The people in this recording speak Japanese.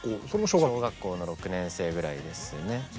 小学校の６年生ぐらいですね。